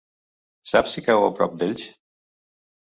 Saps si cau a prop d'Elx?